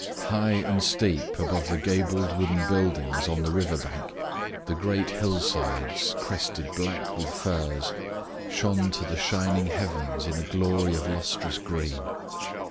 High and steep above the gabled wooden buildings on the river bank, the great hillsides, crested black with firs, shone to the shining heavens in a glory of lustrous green.